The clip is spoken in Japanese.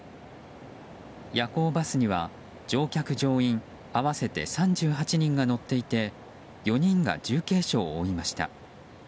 夜行バスには乗客・乗員合わせて３８人が乗っていて４人が重軽傷を負いました。